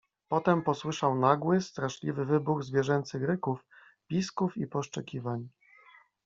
Potem posłyszał nagły, straszliwy wybuch zwierzęcych ryków, pisków i poszczekiwań.